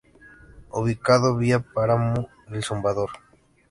Ubicado vía Páramo El Zumbador.